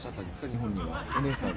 日本には、お姉さんは。